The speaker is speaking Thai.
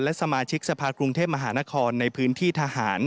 และสมาชิกสภากรุงเทพมหานครในพื้นที่ทหาร